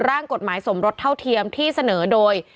ร่างกฎหมายสมรสเท่าเทียมที่เสนอโดย